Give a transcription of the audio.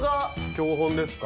標本ですか？